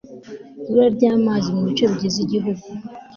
Ibura ryamazi mu bice bigize igihugu